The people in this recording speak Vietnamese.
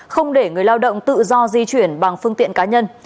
không để người lao động tự do di chuyển bằng phương tiện cá nhân